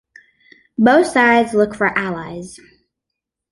Both sides looked for allies.